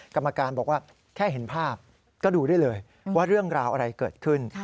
กรรมการบอกว่าแค่เห็นภาพก็ดูได้เลยว่าเรื่องราวอะไรเกิดขึ้น